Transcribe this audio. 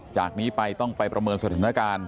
จากนี้ไปต้องไปประเมินสถานการณ์